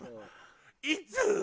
いつ？